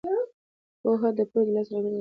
پوهه د پوهې د لاسته راوړلو لپاره یوه وسیله ده.